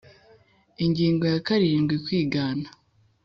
Ingingo ya karindwi Kwigana